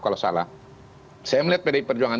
kalau salah saya melihat pdi perjuangan